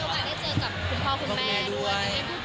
คุณเดี๋ยวมาได้เจอกับคุณพ่อคุณแม่ด้วย